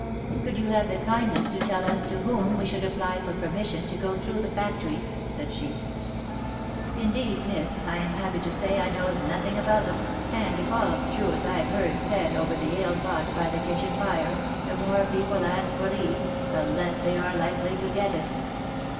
" Could you have the kindness to tell us to 'whom 'we should apply for permission to go through the factory V said she. " Indeed, miss, I am happy to say I knows nothing about 'em, and if all's true as I've heard said over the ale pot by the kitchen fire, the more people ask for leave, the less they are likely to get it.